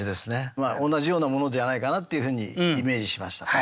同じようなものじゃないかなっていうふうにイメージしました。